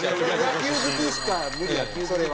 野球好きしか無理やそれは。